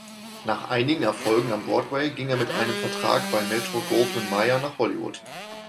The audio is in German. Nach einigen Erfolgen am Broadway ging er mit einem Vertrag bei Metro-Goldwyn-Mayer nach Hollywood.